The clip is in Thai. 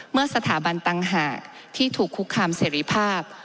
เมื่อสถาบันต่างหากที่ถูกคุกคามเสรีภาพ